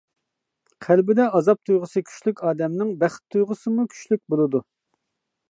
قەلبىدە ئازاب تۇيغۇسى كۈچلۈك ئادەمنىڭ بەخت تۇيغۇسىمۇ كۈچلۈك بولىدۇ.